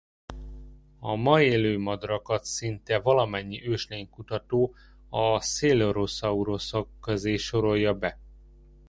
A ma élő madarakat szinte valamennyi őslénykutató a coelurosaurusok közé sorolja be.